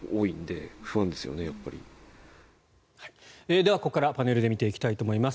では、ここからパネルで見ていきたいと思います。